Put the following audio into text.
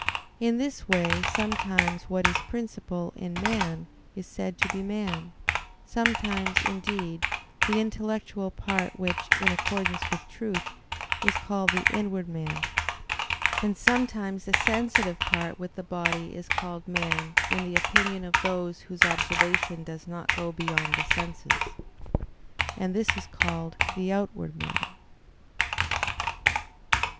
In this way sometimes what is princip[al] in man is said to be man; sometimes, indeed, the intellectual part which, in accordance with truth, is called the "inward" man; and sometimes the sensitive part with the body is called man in the opinion of those whose observation does not go beyond the senses. And this is called the "outward" man.